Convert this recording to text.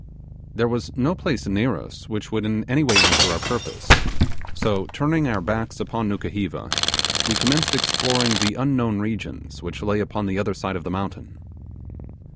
There was no place near us which would in any way answer our purpose, so turning our backs upon Nukuheva, we commenced exploring the unknown regions which lay upon the other side of the mountain.